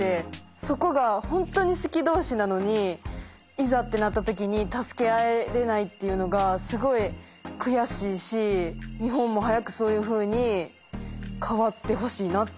そこが本当に好き同士なのにいざってなった時に助け合えれないっていうのがすごい悔しいし日本も早くそういうふうに変わってほしいなって